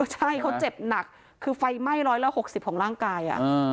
ใช่เขาเจ็บหนักคือไฟไหม้ร้อยละ๖๐ของร่างกาย